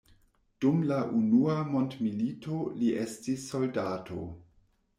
Dum la unua mondmilito li estis soldato.